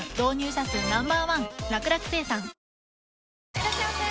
いらっしゃいませ！